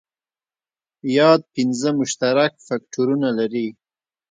یاد پنځه مشترک فکټورونه لري.